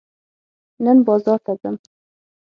نن بازار ته ځم.